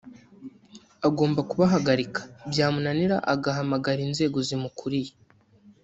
agomba kubahagarika byamunanira agahamagara inzego zimukuriye”